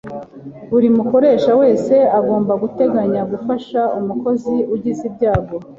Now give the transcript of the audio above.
buri mukoresha wese agomba guteganya gufasha umukozi ugize ibyago